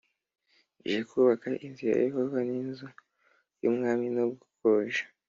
je kubaka inzu ya Yehova n inzu y umwami no gukoj